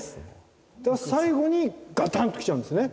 最後にガタンと来ちゃうんですね。